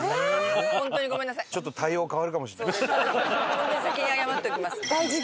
本当に先に謝っておきます。